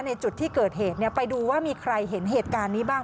ในจุดที่เกิดเหตุไปดูว่ามีใครเห็นเหตุการณ์นี้บ้าง